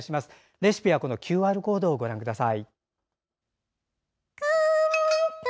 レシピは、ＱＲコードからご覧ください。